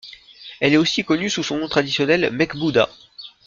Elle est aussi connue sous son nom traditionnel Mekbuda.